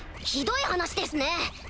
ひどい話ですね！